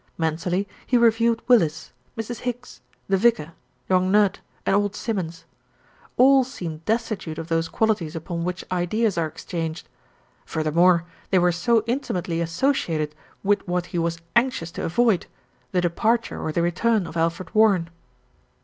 Mentally he reviewed Willis, Mrs. Higgs, the vicar, young Nudd and old Simmons; all seemed destitute of those qualities upon which ideas are exchanged. Furthermore, they were so intimately associated with what he was anxious to avoid, the departure or the return of Alfred Warren.